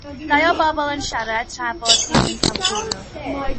Dau o bobl yn siarad, tra bo'r dyn yn cael cwrw.